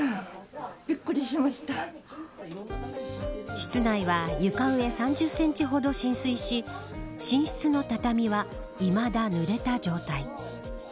室内は床上３０センチほど浸水し寝室の畳はいまだ、ぬれた状態。